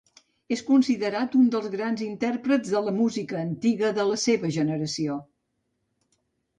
És considerat un dels grans intèrprets de música antiga de la seva generació.